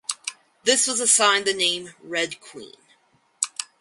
This was assigned the name "Red Queen".